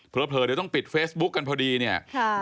เผลอเดี๋ยวต้องปิดเฟซบุ๊คกันพอดีเนี่ย